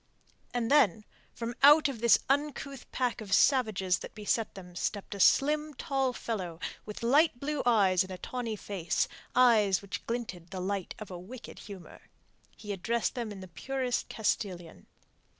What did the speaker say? And then, from out of this uncouth pack of savages that beset them, stepped a slim, tall fellow with light blue eyes in a tawny face, eyes in which glinted the light of a wicked humour. He addressed them in the purest Castilian.